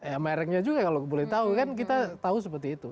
ya mereknya juga kalau boleh tahu kan kita tahu seperti itu